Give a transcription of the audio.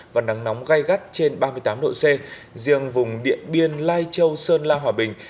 và nắng nóng gai gắt trên ba mươi tám độ c riêng vùng điện biên lai châu sơn la hòa bình